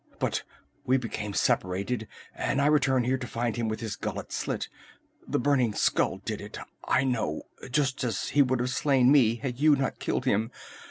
But we became separated and I returned here to find him with his gullet slit. The Burning Skull did it, I know, just as he would have slain me had you not killed him.